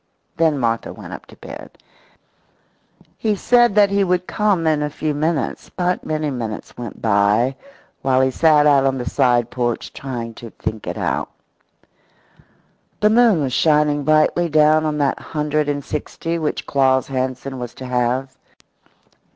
Then Martha went up to bed. He said that he would come in a few minutes, but many minutes went by while he sat out on the side porch trying to think it out. The moon was shining brightly down on that hundred and sixty which Claus Hansen was to have.